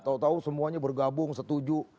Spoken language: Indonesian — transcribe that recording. tau tau semuanya bergabung setuju